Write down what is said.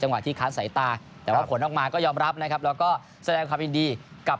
แต่น้องก็ทำให้เห็นว่าพวกเขาก็เล่นได้นะและเราทำสุดมาก